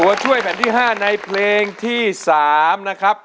ช่วยแผ่นที่๕ในเพลงที่๓นะครับ